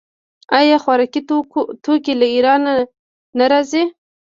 آیا خوراکي توکي له ایران نه راځي؟